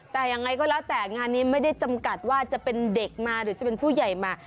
แต่ยังไงก็แล้วแต่งานนี้ไม่ได้จำกัดว่าจะเป็นเด็กมาหรือจะเป็นผู้ใหญ่มา